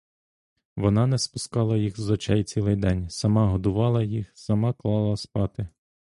Вона не спускала їх з очей цілий день, сама годувала їх, сама клала спати.